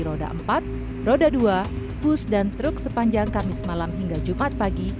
roda empat roda dua bus dan truk sepanjang kamis malam hingga jumat pagi